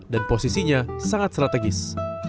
dan posisinya sangat strategis